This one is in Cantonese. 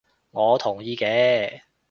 我同意嘅